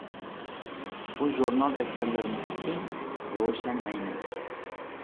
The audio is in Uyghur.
بۇ ژۇرنال ئەسەرلىرىمىز ئۈچۈن روشەن ئەينەك.